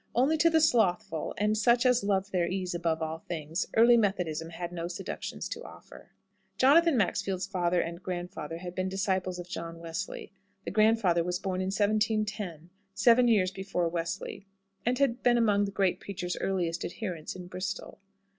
Only to the slothful, and such as loved their ease above all things, early Methodism had no seductions to offer. Jonathan Maxfield's father and grandfather had been disciples of John Wesley. The grandfather was born in 1710, seven years before Wesley, and had been among the great preacher's earliest adherents in Bristol.